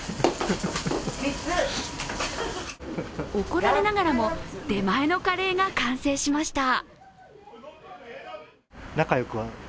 怒られながらも出前のカレーが完成しました。